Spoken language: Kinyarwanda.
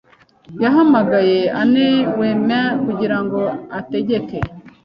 yahamagaye inawema kugirango ategeke.